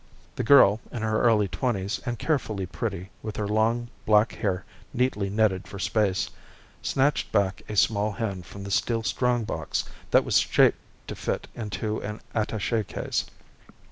The girl, in her early twenties and carefully pretty with her long black hair neatly netted for space, snatched back a small hand from the steel strongbox that was shaped to fit into an attaché case.